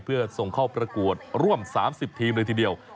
เพื่อส่งเข้าประกวดร่วม๓๐ทีมเลยทีเดียว